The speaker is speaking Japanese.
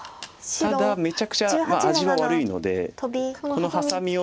ただめちゃくちゃ味は悪いのでこのハサミを。